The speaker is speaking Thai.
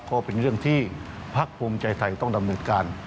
ก็เป็นเรื่องที่พักภูมิใจไทยต้องดำเนินการ